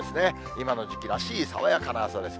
今の時期らしい爽やかな朝です。